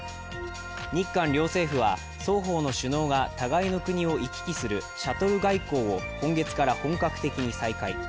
日韓両政府は双方の首脳が互いの国を行き来するシャトル外交を今月から本格的に再開。